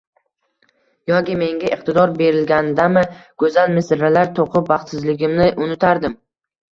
Yoki menga iqtidor berilgandami, go`zal misralar to`qib, baxtsizligimni unutardim